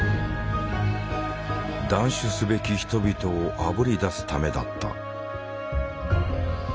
断種すべき人々をあぶり出すためだった。